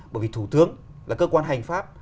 bởi vì thủ tướng là cơ quan hành pháp